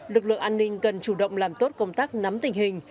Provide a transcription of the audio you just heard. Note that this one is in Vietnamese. lực lượng an ninh cần chủ động làm tốt công tác nắm tình hình